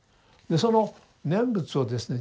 その念仏をですね